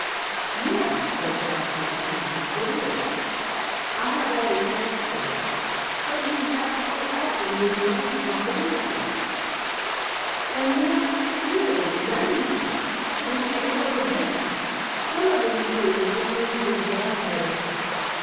"Yes," said Joshua Peniman, "it is. I have always felt so. But we have so often been warned of danger——" "An' there is danger; don't ye ever forgit that. Some o' these here Indians is bad medicine.